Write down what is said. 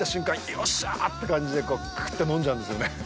よっしゃーって感じでクーっと飲んじゃうんですよね。